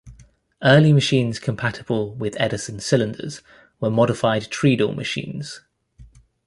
Early machines compatible with Edison cylinders were modified treadle machines.